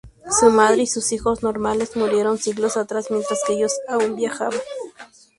Su madre y sus hijos "normales" murieron siglos atrás, mientras que ellos aún viajaban.